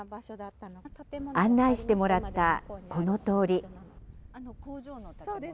案内してもらったこの通り。